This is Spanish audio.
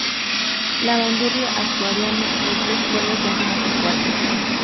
La bandurria asturiana, de tres cuerdas, se afina por cuartas.